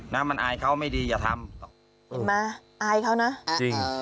นะมันอายเขาไม่ดีอย่าทำเห็นไหมอายเขานะจริง